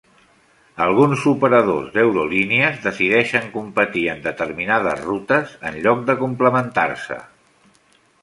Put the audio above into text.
Alguns operadors d'eurolínies decideixen competir en determinades rutes en lloc de complementar-se.